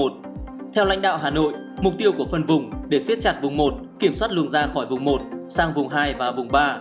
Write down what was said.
theo lãnh đạo hà nội mục tiêu của phân vùng để xếp chặt vùng một kiểm soát luồng ra khỏi vùng một sang vùng hai và vùng ba